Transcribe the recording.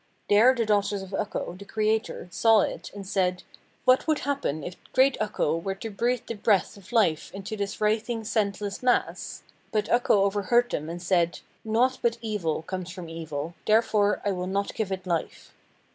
There the daughters of Ukko, the Creator, saw it, and said: "What would happen if great Ukko were to breathe the breath of life into this writhing, senseless mass?" But Ukko overheard them and said: "Naught but evil comes from evil, therefore I will not give it life."